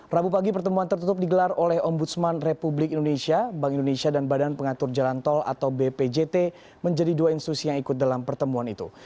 rabu pagi pertemuan tertutup digelar oleh ombudsman republik indonesia bank indonesia dan badan pengatur jalan tol atau bpjt menjadi dua institusi yang ikut dalam pertemuan itu